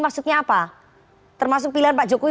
maksudnya apa termasuk pilihan pak jokowi